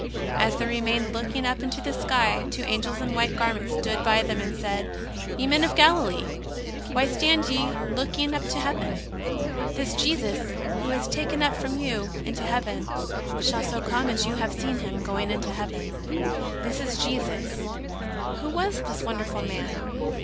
As they remained looking up into the sky, two Angels in white garments stood by them and said :" Ye men of Gali lee, why stand you looking up to Heaven ? This Jesus 20 JESUS OF NAZARETH. who is taken up from you into ITeaven shall so come as you have seen Him going intx) Heaven.'' *' This Jesus." Who war, this wonderful Man?